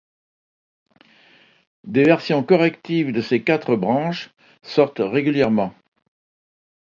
Des versions correctives de ces quatre branches sortent régulièrement.